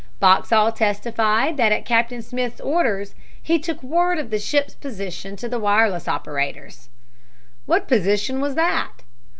Boxhall testified that at Captain Smith's orders he took word of the ship's position to the wireless operators. "What position was that?"